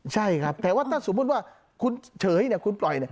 ใช่ครับแต่ว่าถ้าสมมุติว่าคุณเฉยคุณปล่อย